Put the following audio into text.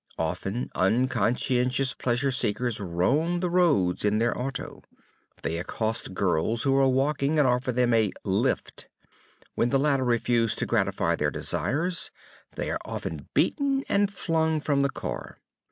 Often, unconscientious pleasure seekers roam the roads in their auto. They accost girls who are walking and offer them a "lift." When the latter refuse to gratify their desires they are often beaten and flung from the car.